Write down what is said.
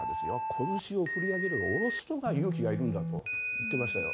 こぶしを振り上げるより下ろす時に勇気がいるんだと言っていましたよ。